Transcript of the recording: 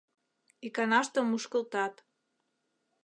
Иканаште мушкылтат.